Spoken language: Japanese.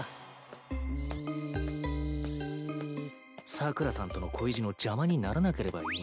サクラさんとの恋路の邪魔にならなければいいが。